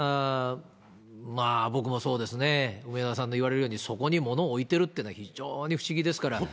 まあ、僕もそうですね、梅沢さんの言われるように、そこに物を置いてるっていうのは非常に不思議ですから。